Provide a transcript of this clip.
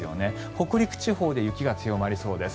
北陸地方で雪が強まりそうです。